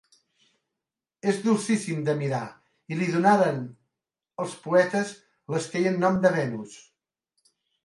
És dolcíssim de mirar, i li donaren els poetes l'escaient nom de Venus.